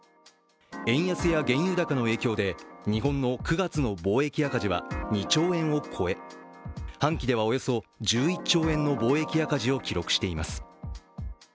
円安や原油高の影響で日本の９月の貿易赤字は２兆円を超え、半期ではおよそ１１兆円の貿易赤字を記録しています。